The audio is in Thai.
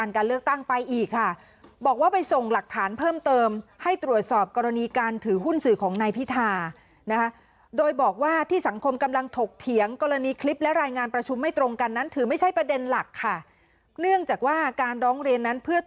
แต่ถ้าผมไม่มาเนี่ยยังทำอะไรไม่ได้เลย